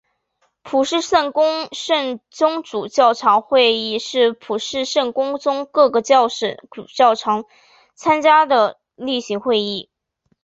普世圣公宗主教长会议是普世圣公宗各个教省主教长参加的例行会议。